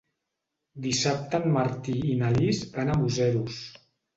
Dissabte en Martí i na Lis van a Museros.